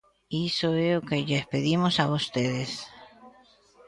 Iso é o que lles pedimos a vostedes.